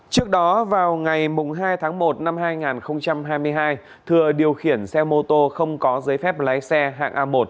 trước đó vào ngày hai tháng một năm hai nghìn hai mươi hai thừa điều khiển xe mô tô không có giấy phép lái xe hạng a một